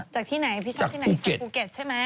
จากที่ไหนพี่ชอบที่ไหนจากภูเก็ตใช่ไหม